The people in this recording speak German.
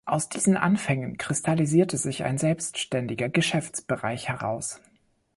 Aus diesen Anfängen kristallisierte sich ein selbstständiger Geschäftsbereich heraus.